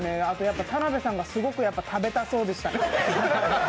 あと、田辺さんがすごく食べたそうでしたね。